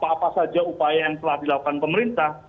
apa apa saja upaya yang telah dilakukan pemerintah